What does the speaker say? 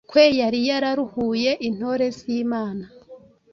kwe yari yararuhuye intore z’Imana,